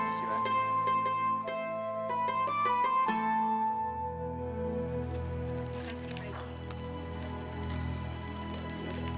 lo kok gak lebaran